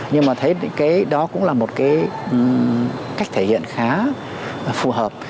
nhưng mà thấy cái đó cũng là một cái cách thể hiện khá phù hợp